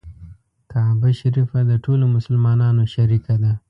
کعبه شریفه د ټولو مسلمانانو شریکه ده.